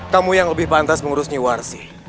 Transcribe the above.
kamu yang lebih pantas mengurus nyi warsi